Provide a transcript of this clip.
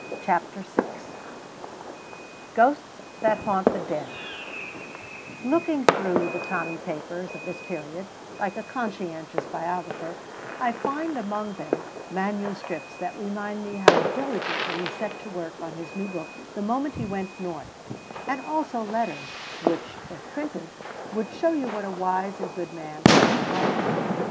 CHAPTER VI GHOSTS THAT HAUNT THE DEN Looking through the Tommy papers of this period, like a conscientious biographer, I find among them manuscripts that remind me how diligently he set to work at his new book the moment he went North, and also letters which, if printed, would show you what a wise and good man Tommy was.